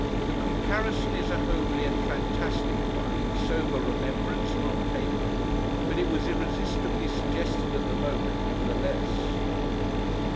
The comparison is a homely and fantastic one, in sober remembrance and on paper, but it was irresistibly suggested at the moment, nevertheless.